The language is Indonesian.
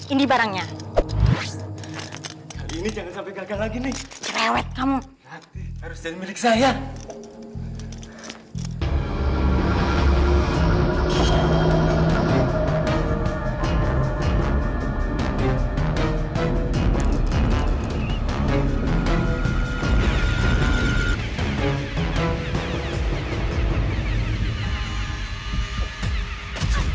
ini barangnya ini jangan sampai gagal lagi nih lewat kamu harus jadi milik saya